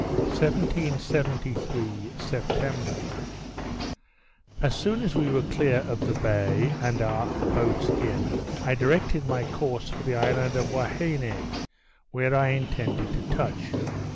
_ 1773 September As soon as we were clear of the bay, and our boats in, I directed my course for the island of Huaheine, where I intended to touch.